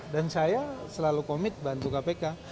dan saya selalu komit bantu kpk